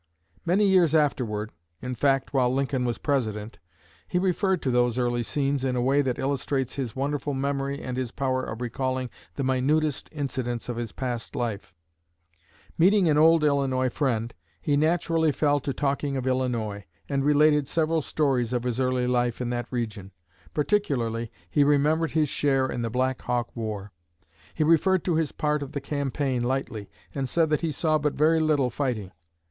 Many years afterward in fact, while Lincoln was President he referred to those early scenes in a way that illustrates his wonderful memory and his power of recalling the minutest incidents of his past life. Meeting an old Illinois friend, he naturally fell to talking of Illinois, and related several stories of his early life in that region. Particularly he remembered his share in the Black Hawk War. He referred to his part of the campaign lightly, and said that he saw but very little fighting.